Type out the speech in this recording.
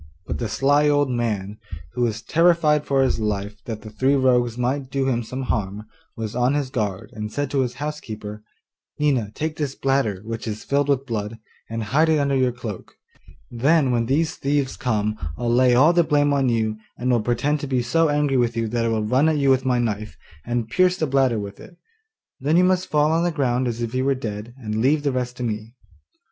But the sly old man, who was terrified for his life that the three rogues might do him some harm, was on his guard, and said to his housekeeper, 'Nina, take this bladder, which is filled with blood, and hide it under your cloak; then when these thieves come I'll lay all the blame on you, and will pretend to be so angry with you that I will run at you with my knife, and pierce the bladder with it; then you must fall on the ground as if you were dead, and leave the rest to me.